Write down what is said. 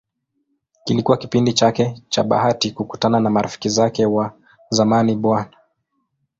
Kilikuwa kipindi chake cha bahati kukutana na marafiki zake wa zamani Bw.